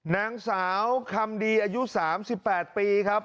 นางสาวคำดีอายุ๓๘ปีครับ